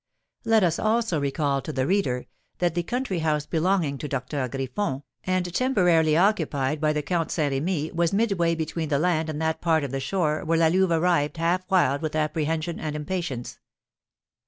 Let us also recall to the reader, that the country house belonging to Doctor Griffon, and temporarily occupied by the Count Saint Remy was midway between the land and that part of the shore where La Louve arrived half wild with apprehension and impatience.